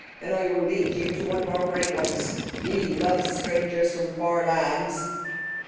Then I will lead you to one of our great ones. He loves strangers from far lands."